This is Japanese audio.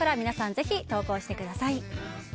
ぜひ投稿してください。